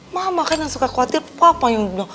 mama kan yang suka khawatir papa yang di